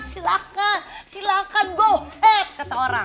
silahkan silahkan go ahead kata orang